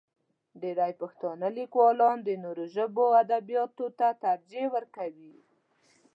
ډېری پښتانه لیکوالان د نورو ژبو ادبیاتو ته ترجیح ورکوي.